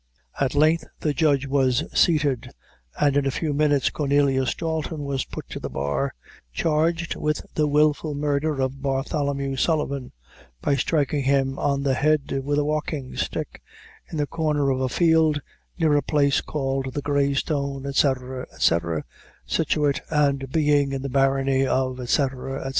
At length the judge was seated, and in a few minutes Cornelius Dalton was put to the bar, charged with the wilful murder of Bartholomew Sullivan, by striking him on the head with a walking stick, in the corner of a field, near a place called the Grey Stone, &c, &c, situate and being in the barony of, &c, &c.